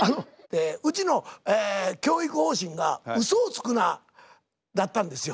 うちの教育方針が「ウソをつくな」だったんですよ。